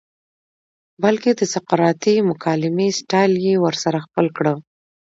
بلکه د سقراطی مکالمې سټائل ئې ورسره خپل کړۀ